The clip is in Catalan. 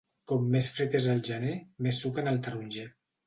Com més fred és el gener, més suc en el taronger.